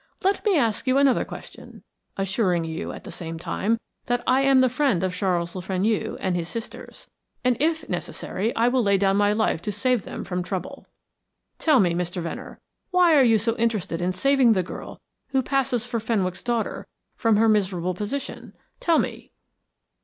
Let me ask you another question, assuring you at the same time that I am the friend of Charles Le Fenu and his sisters, and that if necessary I will lay down my life to save them from trouble. Tell me, Mr. Venner, why are you so interested in saving the girl who passes for Fenwick's daughter from her miserable position? Tell me."